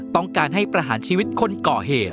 ต้องการให้ประหารชีวิตคนก่อเหตุ